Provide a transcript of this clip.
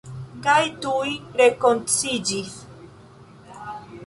Kaj tuj rekonsciiĝis.